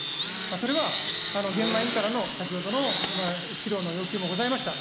それは源馬委員からの先ほどの資料の要求もございました。